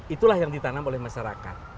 itulah yang ditanam oleh masyarakat